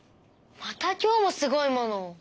また今日もすごいものを。